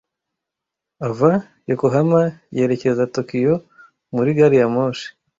Ava Yokohama yerekeza Tokiyo muri gari ya moshi.